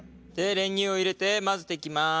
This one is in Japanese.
練乳を入れて混ぜていきます。